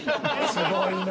すごいなあ。